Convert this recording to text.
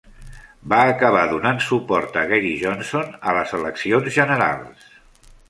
Va acabar donant suport a Gary Johnson a les eleccions generals.